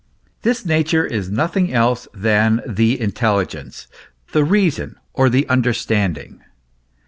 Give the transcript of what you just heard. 33 This nature is nothing else than the intelligence the reason or the understanding.